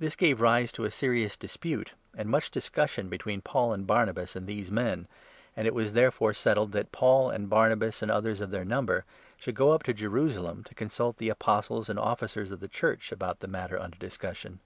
This 2 gave rise to a serious dispute, and much discussion, between Paul and Barnabas and these men, and it was therefore settled that Paul and Barnabas and others of their number should go up to Jerusalem, to consult the Apostles and Officers of the Church about the matter under discussion.